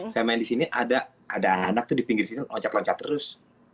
saya main di sini ada anak tuh di pinggir sini loncat loncat terus